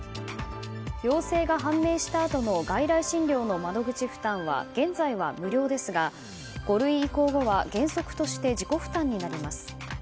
陽性が判明したあとの外来診療の窓口負担は現在は無料ですが、５類移行後は原則として自己負担になります。